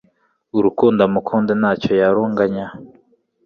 Urukundo amukunda ntacyo yarunganya